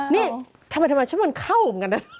นี่ทำไมทำไมเข้าเหมือนกันนะ